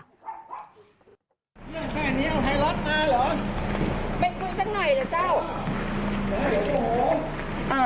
เรื่องแค่เนี้ยเอาไทรัสมาเหรอไปคุยจังหน่อยเหรอเจ้า